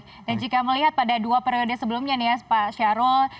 jadi anda melihat pada dua periode sebelumnya nih ya pak sarul